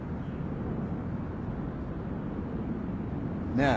ねえ。